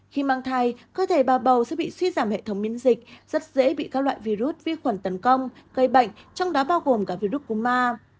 khi mang thai cơ thể bào bầu sẽ bị suy giảm hệ thống miễn dịch rất dễ bị các loại virus vi khuẩn tấn công gây bệnh trong đó bao gồm cả virus cúm ma